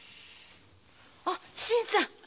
あ新さん。